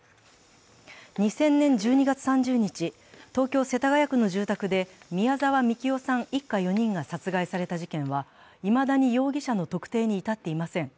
２０００年１２月３０日、東京・世田谷区の住宅で宮沢みきおさん一家４人が殺害された事件はいまだに容疑者の特定に至っていません。